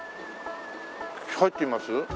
入ってみます？